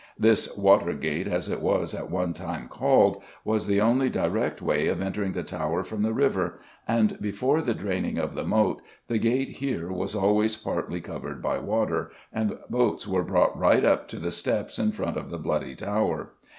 This "Watergate," as it was at one time called, was the only direct way of entering the Tower from the river, and, before the draining of the moat, the gate here was always partly covered by water, and boats were brought right up to the steps in front of the Bloody Tower.